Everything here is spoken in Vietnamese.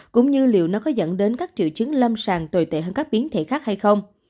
cũng như liệu nó có dẫn đến các triệu chứng lâm sàng tồi tệ hơn các biến thể khác hay không